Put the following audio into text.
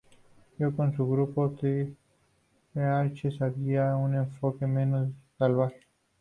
Ya con su grupo, The Preachers había un enfoque menos salvaje.